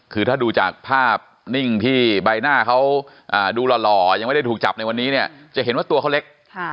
คือถ้าดูจากภาพนิ่งที่ใบหน้าเขาดูหล่อยังไม่ได้ถูกจับในวันนี้เนี่ยจะเห็นว่าตัวเขาเล็ก